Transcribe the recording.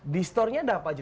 di store nya ada apa aja